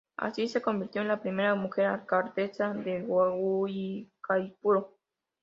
Así se convirtió en la primera mujer alcaldesa de Guaicaipuro.